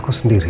ada apa sarah